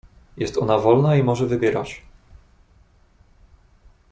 "Jest ona wolna i może wybierać."